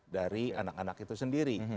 dari anak anak itu sendiri